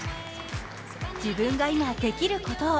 自分が今できることを。